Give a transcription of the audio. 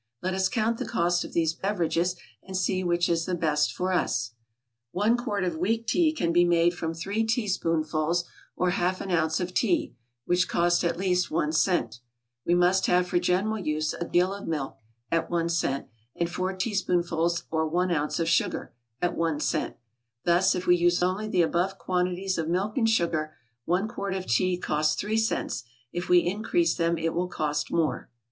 Let us count the cost of these beverages, and see which is the best for us. One quart of weak tea can be made from three teaspoonfuls, or half an ounce, of tea, (which cost at least one cent;) we must have for general use a gill of milk, (at one cent,) and four teaspoonfuls or one ounce of sugar, (at one cent); thus if we use only the above quantities of milk and sugar, one quart of tea costs three cents; if we increase them it will cost more.